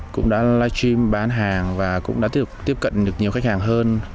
cũng đã live stream bán hàng và cũng đã tiếp cận được nhiều khách hàng hơn